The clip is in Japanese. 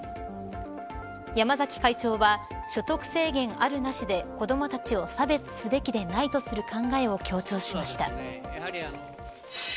山崎会長は、所得制限あるなしで子どもたちを差別すべきでないとする考えを強調しました。